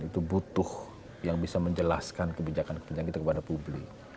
itu butuh yang bisa menjelaskan kebijakan kebijakan kita kepada publik